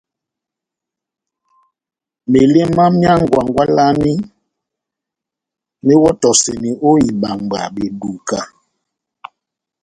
Meléma myá ngwangwalani méwɔtɔseni o ibambwa beduka.